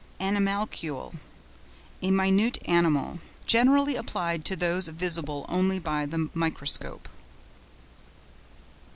ANIMALCULE.—A minute animal: generally applied to those visible only by the microscope.